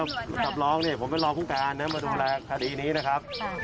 ขันมาคุยกับกับรองนี้ผมเป็นรองคุกการมาดูแลคดีนี้นะครับ